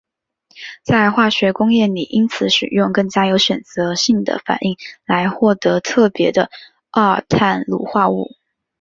在化学工业里因此使用更加有选择性的反应来获得特别的二碳卤化物。